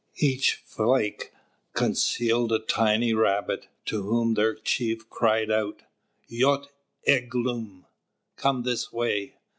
Each flake concealed a tiny Rabbit, to whom their chief cried out: "Yoat elguen" (Come this way).